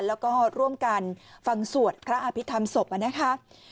แล้วก็ร่วมกันฟังสวดพระอภิษฐรรมศพนะคะ